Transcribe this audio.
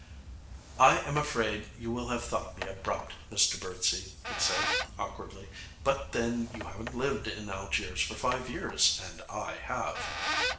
'I am afraid you will have thought me abrupt, Mr Birdsey,' he said awkwardly; 'but then you haven't lived in Algiers for five years, and I have.'